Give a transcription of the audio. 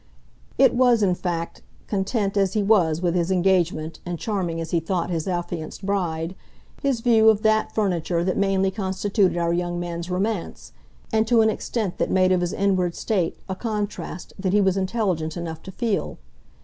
It was in fact, content as he was with his engagement and charming as he thought his affianced bride, his view of THAT furniture that mainly constituted our young man's "romance" and to an extent that made of his inward state a contrast that he was intelligent enough to feel.